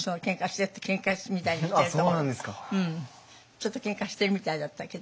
ちょっとケンカしてるみたいだったけど。